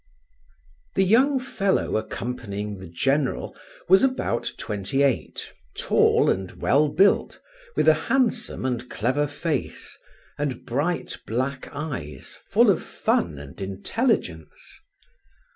The young fellow accompanying the general was about twenty eight, tall, and well built, with a handsome and clever face, and bright black eyes, full of fun and intelligence.